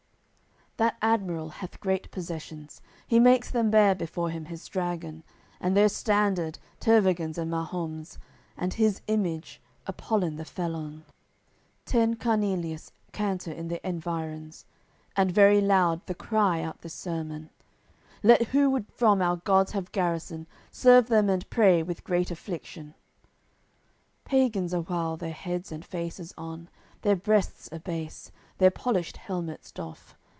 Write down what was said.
AOI. CCXXXV That admiral hath great possessions; He makes them bear before him his dragon, And their standard, Tervagan's and Mahom's, And his image, Apollin the felon. Ten Canelious canter in the environs, And very loud the cry out this sermon: "Let who would from our gods have garrison, Serve them and pray with great affliction." Pagans awhile their heads and faces on Their breasts abase, their polished helmets doff.